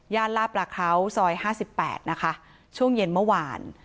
ย่านล่าประเขาซอย๕๘นะคะช่วงเย็นเมื่อวาน